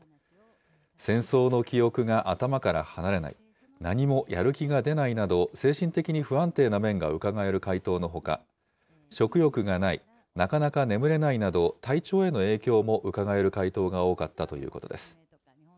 戦争の記憶が頭から離れない、何もやる気が出ないなど、精神的に不安定な面がうかがえる回答のほか、食欲がない、なかなか眠れないなど、体調への影響もうかがえる回答が多かったということです。